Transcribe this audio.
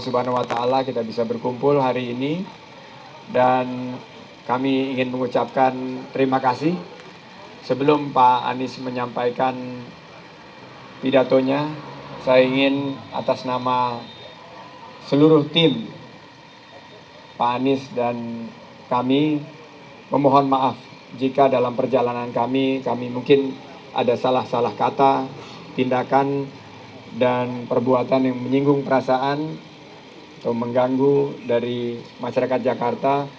sebelum pak anies menyampaikan pidatonya saya ingin atas nama seluruh tim pak anies dan kami memohon maaf jika dalam perjalanan kami kami mungkin ada salah salah kata tindakan dan perbuatan yang menyinggung perasaan atau mengganggu dari masyarakat jakarta